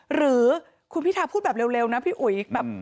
หรือคุณพิทาพูดแบบเร็วนะพี่อุ๋ยแบบ